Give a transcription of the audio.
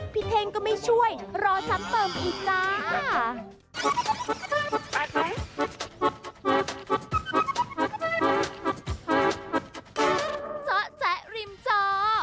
พี่เทงก็ไม่ช่วยรอชั้นเติมอีกจ้า